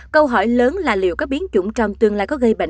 câu hỏi lớn là liệu có biến chủng trong tương lai có gây bệnh